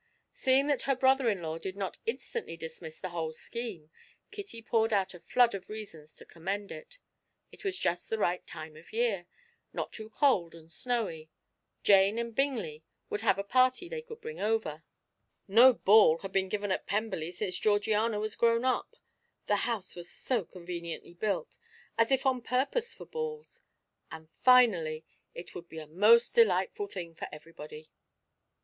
Seeing that her brother in law did not instantly dismiss the whole scheme, Kitty poured out a flood of reasons to commend it; it was just the right time of year, not too cold and snowy; Jane and Bingley would have a party they could bring over; no ball had been given at Pemberley since Georgiana was grown up; the house was so conveniently built, as if on purpose for balls; and finally, it would be a most delightful thing for everybody.